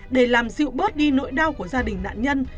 để làm dịu bớt đi nỗi đau của gia đình nạn nhân